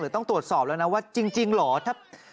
ต้องตรวจสอบแล้วนะว่าจริงเหรอ